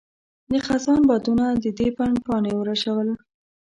د خزان بادونو د دې بڼ پاڼې ورژول.